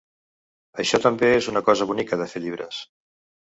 Això també és una cosa bonica de fer llibres.